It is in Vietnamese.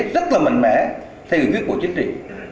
rất là mạnh mẽ theo quyết của chính trị